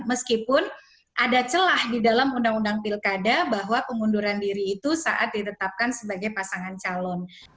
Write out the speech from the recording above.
meskipun ada celah di dalam undang undang pilkada bahwa pengunduran diri itu saat ditetapkan sebagai pasangan calon